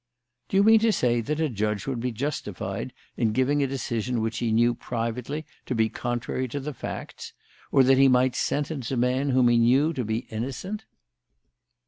"Do you mean to say that a judge would be justified in giving a decision which he knew privately to be contrary to the facts? Or that he might sentence a man whom he knew to be innocent?"